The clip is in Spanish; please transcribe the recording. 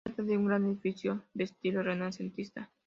Se trata de un gran edificio, de estilo renacentista.